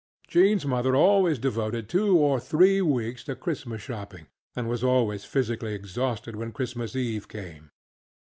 JeanŌĆÖs mother always devoted two or three weeks to Christmas shopping, and was always physically exhausted when Christmas Eve came.